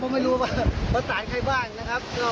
ผมไม่รู้ว่ามันตายใครบ้างนะครับ